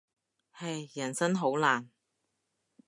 唉，人生好難。